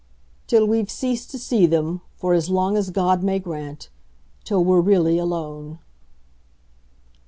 "Till we've ceased to see them for as long as God may grant! Till we're really alone."